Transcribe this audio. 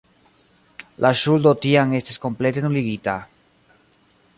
La ŝuldo tiam estis komplete nuligita.